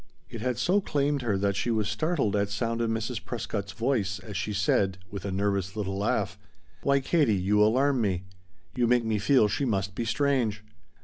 It had so claimed her that she was startled at sound of Mrs. Prescott's voice as she said, with a nervous little laugh: "Why, Katie, you alarm me. You make me feel she must be strange."